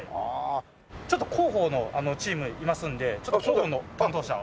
ちょっと広報のチームいますのでちょっと広報の担当者を。